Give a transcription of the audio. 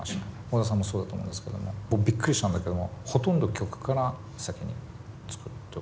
小田さんもそうだと思うんですけれどもびっくりしたんだけどもほとんど曲から先に作ると。